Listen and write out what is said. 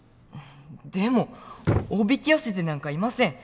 でもおびき寄せてなんかいません！